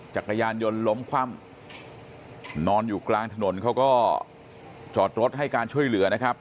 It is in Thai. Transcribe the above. จักรยานยนต์ล้มคว่ำนอนอยู่กลางถนนเขาก็จอดรถให้การช่วยเหลือนะครับ